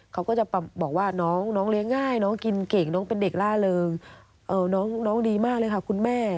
เขาก็จะบอกว่าน้องเลี้ยงง่ายน้องกินเก่งน้องเป็นเด็กล่าเริงน้องดีมากเลยค่ะคุณแม่